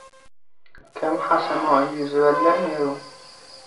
ከም ሓሰማ እየ ዝበልዕ ነይረ።